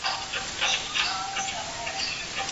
د کورني ژوند لپاره له مشورو پرته پرمختګ نه کيږي.